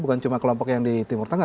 bukan cuma kelompok yang di timur tengah